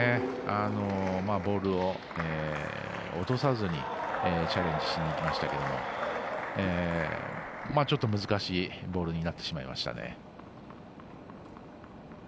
ボールを落とさずにチャレンジしにいきましたけどちょっと難しいボールになってしまいました。